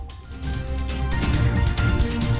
saya ke bang sarman